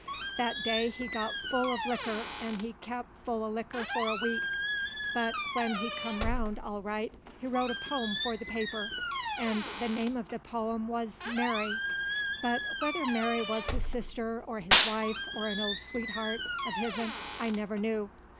That day he got full uv likker 'nd he kep' full uv likker for a week; but when he come round all right he wrote a pome for the paper, 'nd the name uv the pome wuz "Mary," but whether Mary wuz his sister or his wife or an old sweetheart uv his'n I never knew.